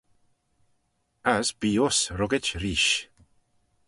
As bee uss ruggit reesht.